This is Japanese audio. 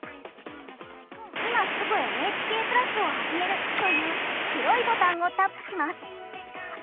「今すぐＮＨＫプラスをはじめる」という黒いボタンをタップします。